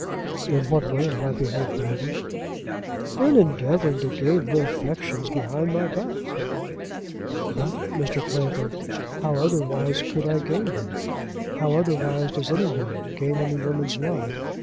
"In what way have I behaved badly?" "In endeavouring to gain her affections behind my back." "But, Mr. Clavering, how otherwise could I gain them? How otherwise does any man gain any woman's love?